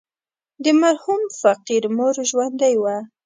د مرحوم فقير مور ژوندۍ وه.